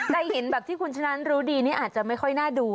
ใครเห็นแบบที่คุณชนะรู้ดีนี่อาจจะไม่ค่อยน่าดู